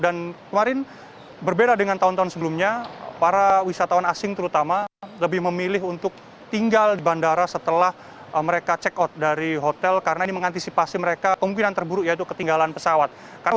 dan kemarin berbeda dengan tahun tahun sebelumnya para wisatawan asing terutama lebih memilih untuk tinggal di bandara setelah mereka check out dari hotel karena ini mengantisipasi mereka kemungkinan terburuk yaitu ketinggalan pesawat